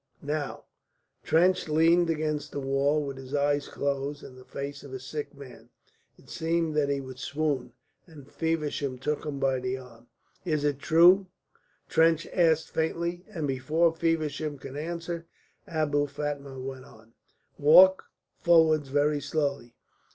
"Now." Trench leaned against the wall with his eyes closed, and the face of a sick man. It seemed that he would swoon, and Feversham took him by the arm. "Is it true?" Trench asked faintly; and before Feversham could answer Abou Fatma went on: "Walk forwards very slowly.